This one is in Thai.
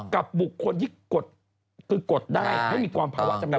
กับบุคคลที่กดได้ก็มีความภาวะจำนวน